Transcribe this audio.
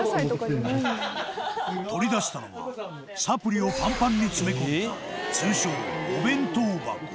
取り出したのはサプリをパンパンに詰め込んだ通称お弁当箱